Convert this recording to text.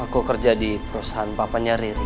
aku kerja di perusahaan papanya riri